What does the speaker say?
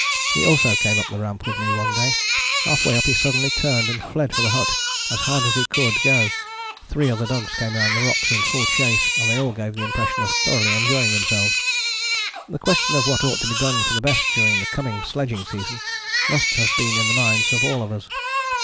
He also came up the Ramp with me one day: half way up he suddenly turned and fled for the hut as hard as he could go: three other dogs came round the rocks in full chase, and they all gave the impression of thoroughly enjoying themselves. The question of what ought to be done for the best during the coming sledging season must have been in the minds of all of us.